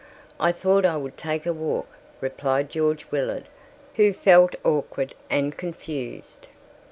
"I thought I would take a walk," replied George Willard, who felt awkward and confused.